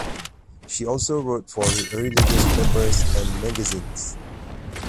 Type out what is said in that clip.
She also wrote for religious papers and magazines.